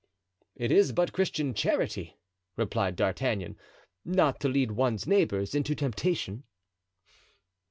"It is but Christian charity," replied D'Artagnan, "not to lead one's neighbors into temptation."